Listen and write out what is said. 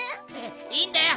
いいんだよ